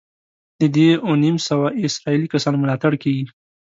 د دې اووه نیم سوه اسرائیلي کسانو ملاتړ کېږي.